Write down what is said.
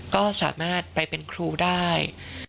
ก็สามารถไปเป็นครูได้